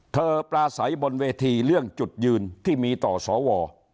ปลาใสบนเวทีเรื่องจุดยืนที่มีต่อสว